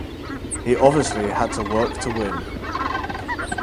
He obviously had to work to win.